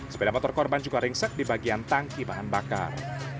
sepeda motor korban juga ringsek di bagian tangki bahan bakar